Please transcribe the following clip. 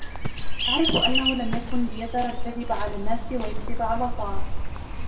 أَعْرِفُ أَنَّهُ لَمْ يَكُنْ لِيَذَرَ الْكَذِبَ عَلَى النَّاسِ وَيَكْذِبَ عَلَى اللَّهِ.